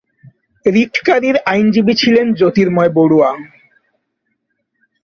রিটকারীর আইনজীবী ছিলেন জ্যোতির্ময় বড়ুয়া।